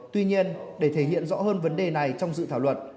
tuy nhiên để thể hiện rõ hơn vấn đề này trong dự thảo luật